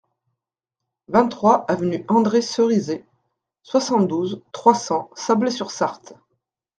vingt-trois avenue André Cerisay, soixante-douze, trois cents, Sablé-sur-Sarthe